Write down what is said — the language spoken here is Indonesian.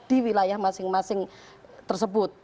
di wilayah masing masing tersebut